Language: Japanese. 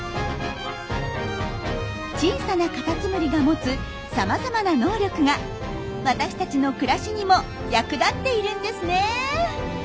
小さなカタツムリが持つさまざまな能力が私たちの暮らしにも役立っているんですね。